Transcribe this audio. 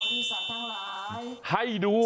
มีสัตว์ทั้งหลาย